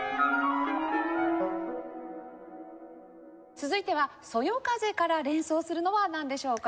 続いては「そよ風」から連想するのはなんでしょうか？